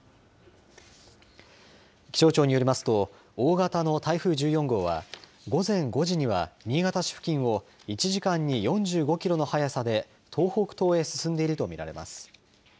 気象庁によりますと大型の台風１４号は午前５時には新潟付近を１時間に４５キロの速さで東北東へ進んでいると見られます。